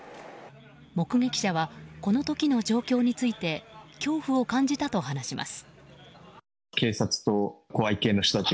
目撃者は、この時の状況について恐怖を感じたと話します。